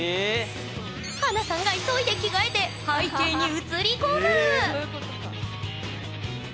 華さんが急いで着替えて背景に写り込む！